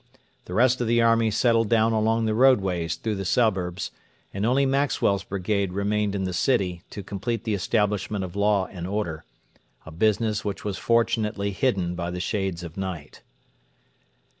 The rest of the army settled down along the roadways through the suburbs, and only Maxwell's brigade remained in the city to complete the establishment of law and order a business which was fortunately hidden by the shades of night.